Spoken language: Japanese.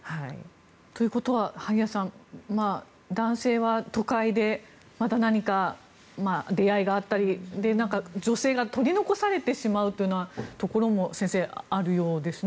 ということは萩谷さん男性は都会でまた何か出会いがあったり女性が取り残されてしまうというようなところも先生、あるようですね